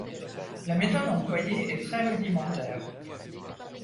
La méthode employée est très rudimentaire.